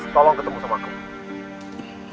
tolong ketemu sama aku